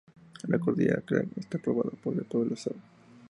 La cordillera Arakan está poblada por el pueblo zo.